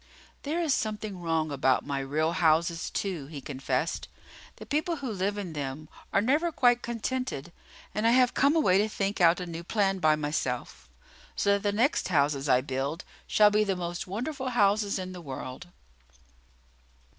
"There is something wrong about my real houses, too," he confessed. "The people who live in them are never quite contented; and I have come away to think out a new plan by myself, so that the next houses I build shall be the most wonderful houses in the world."